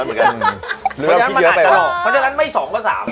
เมื่อนั้นไม่สองก็สาม